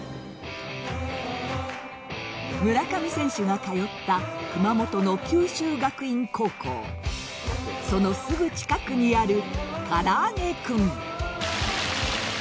村上選手が通った熊本の九州学院高校そのすぐ近くにあるからあげ君。